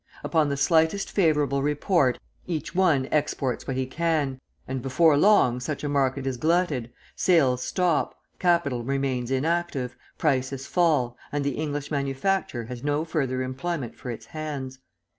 Upon the slightest favourable report, each one exports what he can, and before long such a market is glutted, sales stop, capital remains inactive, prices fall, and English manufacture has no further employment for its hands.